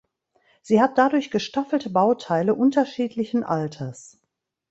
Sie hat dadurch gestaffelte Bauteile unterschiedlichen Alters.